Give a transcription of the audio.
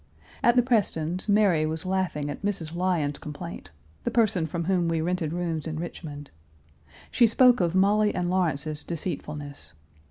At the Prestons' Mary was laughing at Mrs. Lyons's complaint the person from whom we rented rooms in Richmond. She spoke of Molly and Lawrence's deceitfulness.